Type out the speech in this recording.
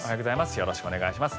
よろしくお願いします。